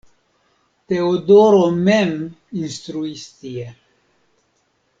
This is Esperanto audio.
Teodoro mem instruis tie.